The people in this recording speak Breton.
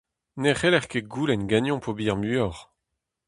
Ne c'heller ket goulenn ganeomp ober muioc'h.